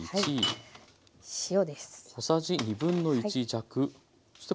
塩です。